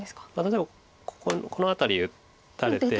例えばこの辺り打たれて。